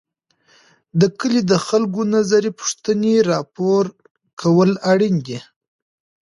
د کلي د خلګو نظري پوښتني راپور کول اړیني دي.